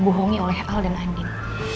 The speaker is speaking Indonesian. dibohongi oleh al dan andin